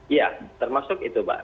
iya termasuk itu pak